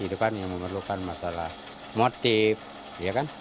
hidupan yang memerlukan masalah motif ya kan